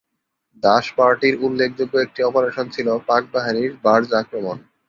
দাস পার্টির উল্লেখযোগ্য একটি অপারেশন ছিল পাকবাহিনীর বার্জ আক্রমণ।